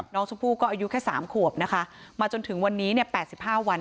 น้องชมพู่ก็อายุแค่๓ขวบนะคะมาจนถึงวันนี้เนี่ย๘๕วัน